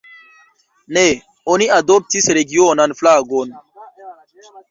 Ne oni adoptis regionan flagon.